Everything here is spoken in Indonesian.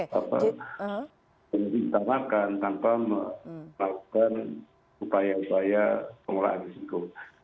yang kita makan tanpa melakukan upaya upaya pengolahan risiko